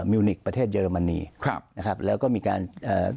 มิวนิกประเทศเยอรมนีครับนะครับแล้วก็มีการเอ่อ